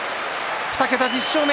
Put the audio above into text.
２桁１０勝目。